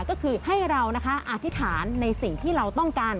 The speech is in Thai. ก็คือให้เรานะคะอธิษฐานในสิ่งที่เราต้องการ